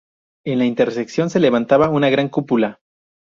En la intersección se levanta una gran cúpula.